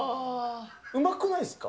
うまくないっすか？